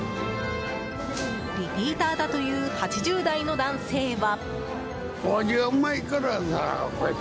リピーターだという８０代の男性は。